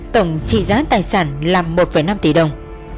tổng trị giá tài sản là một năm tỷ đồng